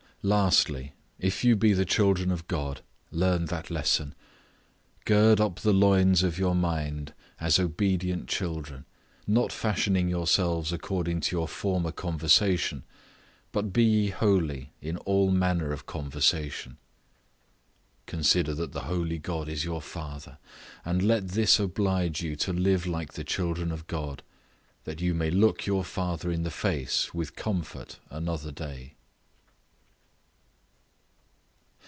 Lastly, If you be the children of God, learn that lesson: "Gird up the loins of your mind as obedient children, not fashioning yourselves according to your former conversation; but be ye holy in all manner of conversation." Consider that the holy God is your father, and let this oblige you to live like the children of God, that you may look your Father in the face with comfort another day.